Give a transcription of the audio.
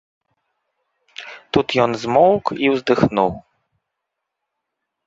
Тут ён змоўк і ўздыхнуў.